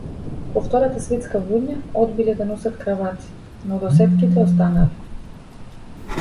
По втората светска војна одбиле да носат кравати, но досетките останале.